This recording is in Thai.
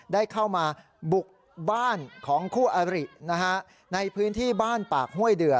ได้เข้ามาบุกบ้านของคู่อริในพื้นที่บ้านปากห้วยเดือ